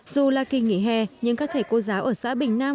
dù là kỳ nghỉ hè nhưng các thầy cô giáo ở xã bình nam